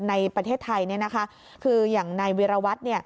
ในประเทศไทยคืออย่างนายวิรวัตร